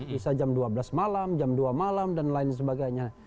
bisa jam dua belas malam jam dua malam dan lain sebagainya